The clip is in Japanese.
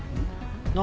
何？